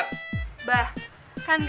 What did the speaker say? kan gak ada salahnya kalau tamu disuruh masuk dulu